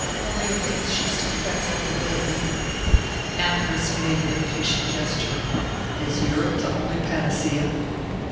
Maria thinks she still frets over the baby." Amherst made an impatient gesture. "Is Europe the only panacea?"